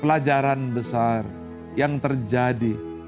pelajaran besar yang terjadi